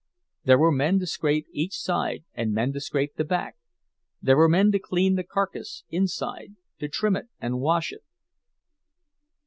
There were men to scrape each side and men to scrape the back; there were men to clean the carcass inside, to trim it and wash it.